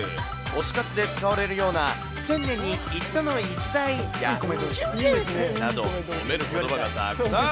推し活で使われるような１０００年に一度の逸材！や、きゅんですなど、褒めることばがたくさん。